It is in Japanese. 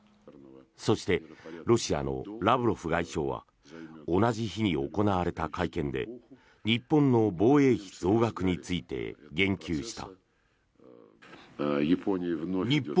そして、ロシアのラブロフ外相は同じ日に行われた会見で日本の防衛費増額について言及した。